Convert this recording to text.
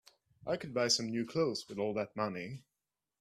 I could buy some new clothes with all that money.